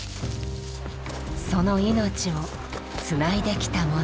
その命をつないできたもの。